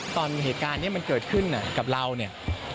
ตอนเหตุการณ์นี้มันเกิดขึ้นกับเราเนี่ย